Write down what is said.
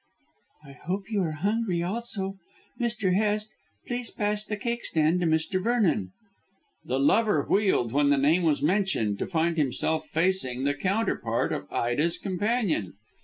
"I hope you are hungry also. Mr. Hest, please pass the cakestand to Mr. Vernon." The lover wheeled when the name was mentioned, to find himself facing the counterpart of Ida's companion.